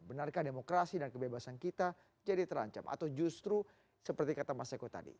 benarkah demokrasi dan kebebasan kita jadi terancam atau justru seperti kata mas eko tadi